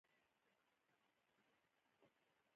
افغانستان د هندوکش لپاره خورا مشهور دی.